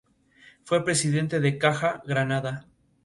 Es capital del distrito de Morropón en la provincia del mismo nombre.